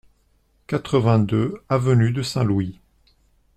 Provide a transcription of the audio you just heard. quatre-vingt-deux avenue de Saint-Louis